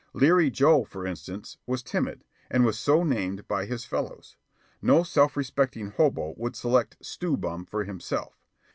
Leary Joe, for instance, was timid, and was so named by his fellows. No self respecting hobo would select Stew Bum for himself.